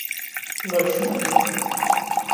Lai šmuki.